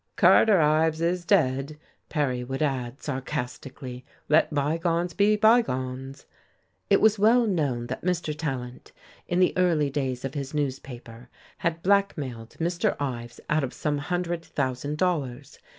"Carter Ives is dead," Perry would add, sarcastically, "let bygones be bygones." It was well known that Mr. Tallant, in the early days of his newspaper, had blackmailed Mr. Ives out of some hundred thousand dollars.